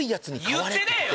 言ってねえよ！